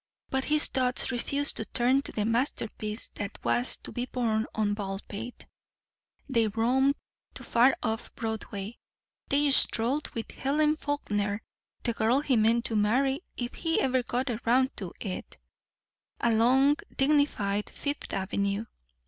But his thoughts refused to turn to the masterpiece that was to be born on Baldpate. They roamed to far off Broadway; they strolled with Helen Faulkner the girl he meant to marry if he ever got round to it along dignified Fifth Avenue.